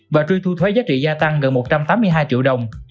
và truy thu thuế giá trị gia tăng gần một trăm tám mươi hai triệu đồng